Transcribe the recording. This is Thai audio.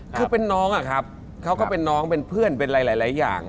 คือเป็นน้องอะครับเขาก็เป็นน้องเป็นเพื่อนเป็นอะไรหลายอย่าง